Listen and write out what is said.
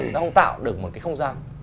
nó không tạo được một cái không gian